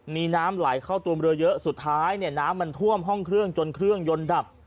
มีน้ำไหลเข้าตัวเรือเยอะสุดท้ายเนี่ยน้ำมันท่วมห้องเครื่องจนเครื่องยนต์ดับ